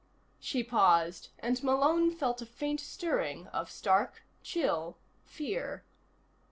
She paused and Malone felt a faint stirring of stark, chill fear.